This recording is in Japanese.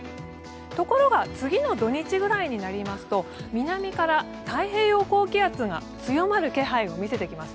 ところが次の土日くらいになりますと南から太平洋高気圧が強まる気配を見せてきます。